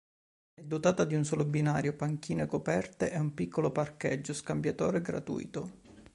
È dotata di un solo binario, panchine coperte e un piccolo parcheggio scambiatore gratuito.